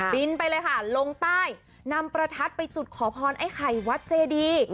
บินไปเลยค่ะลงใต้นำประทัดไปจุดขอพรไอ้ไข่วัดเจดี